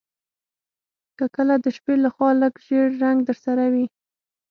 که کله د شپې لخوا لږ ژیړ رنګ درسره وي